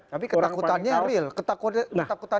tapi ketakutannya real ketakutannya real